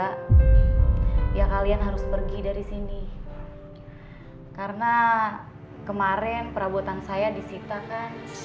kita kan ada untuk cukup bayar bunganya aja